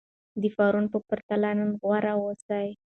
د پرون په پرتله نن غوره اوسئ.